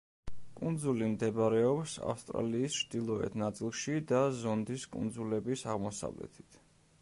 კუნძული მდებარეობს ავსტრალიის ჩრდილოეთ ნაწილში, და ზონდის კუნძულების აღმოსავლეთით.